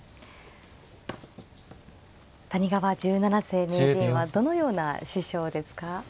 谷川十七世名人はどのような師匠ですか？